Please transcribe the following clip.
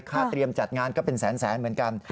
เตรียมจัดงานก็เป็นแสนเหมือนกัน